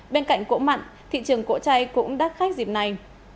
bên cạnh cỗ mặn thị trường cỗ chay cũng đắt khách dịp này